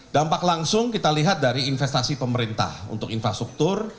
dampak langsung kita lihat dari investasi pemerintah untuk infrastruktur